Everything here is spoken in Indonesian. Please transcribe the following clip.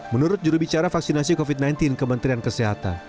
menurut jurubicara vaksinasi covid sembilan belas kementerian kesehatan